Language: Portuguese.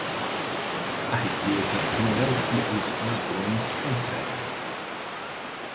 A riqueza não é o que os ladrões conseguem.